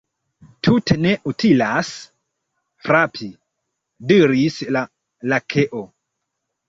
"Tute ne utilas frapi," diris la Lakeo.